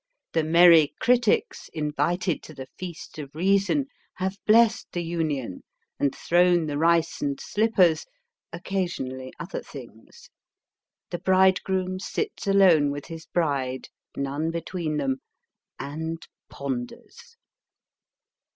The merry critics, invited to the feast of reason, have blessed the union, and thrown the rice and slippers occasionally other things. The bridegroom sits alone with his bride, none between them, and ponders.